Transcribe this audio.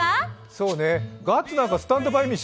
そうね、ガッツなんか「スタンド・バイ・ミー」